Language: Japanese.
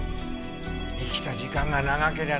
生きた時間が長けりゃ